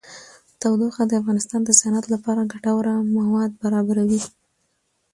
تودوخه د افغانستان د صنعت لپاره ګټور مواد برابروي.